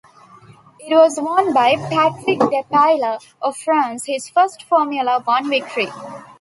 It was won by Patrick Depailler of France, his first Formula One victory.